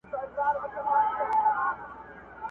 د صدر صاحب ږیره په ادب کې